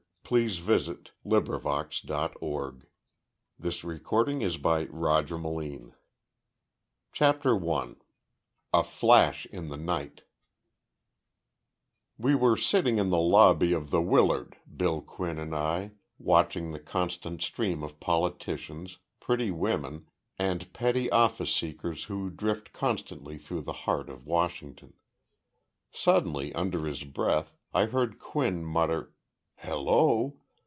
THE CASE OF MRS. ARMITAGE 328 XXIV. FIVE INCHES OF DEATH 343 ON SECRET SERVICE I A FLASH IN THE NIGHT We were sitting in the lobby of the Willard, Bill Quinn and I, watching the constant stream of politicians, pretty women, and petty office seekers who drift constantly through the heart of Washington. Suddenly, under his breath, I heard Quinn mutter, "Hello!"